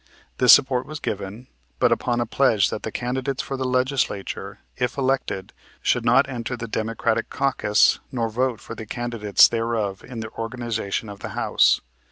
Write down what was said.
This support was given, but upon a pledge that the candidates for the Legislature, if elected, should not enter the Democratic caucus, nor vote for the candidates thereof in the organization of the House.